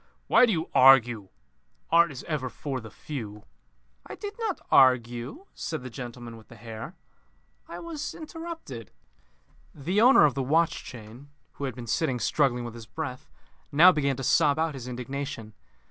"Why do you argue? Art is ever for the few." "I did not argue," said the gentleman with the hair. "I was interrupted." The owner of the watch chain, who had been sitting struggling with his breath, now began to sob out his indignation.